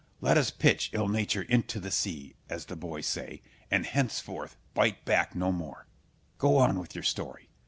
Let us pitch ill nature into the sea—as the boys say—and henceforth backbite no more. Go on with your story.